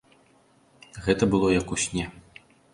Гэта было як у сне.